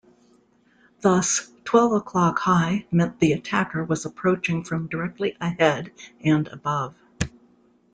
Thus "twelve o'clock high" meant the attacker was approaching from directly ahead and above.